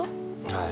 はい。